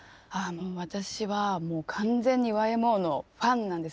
私はもう完全にＹＭＯのファンなんですね。